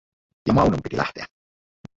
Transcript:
Ja Maunon piti lähteä.